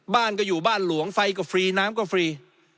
บ้านก็อยู่บ้านหลวงไฟก็ฟรีน้ำก็ฟรี